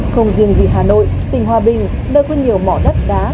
không riêng gì hà nội tỉnh hòa bình nơi có nhiều mỏ đất đá